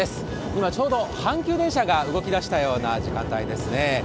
今ちょうど阪急電車が動き出したような時間帯ですね。